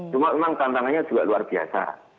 cuma memang tantangannya juga luar biasa